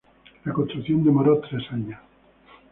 La construcción demoró tres años.